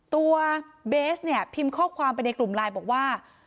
เบสเนี่ยพิมพ์ข้อความไปในกลุ่มไลน์บอกว่า